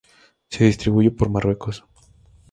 Se distribuye por Marruecos.